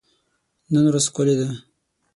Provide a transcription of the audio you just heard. نن ورځ ښکلي ده.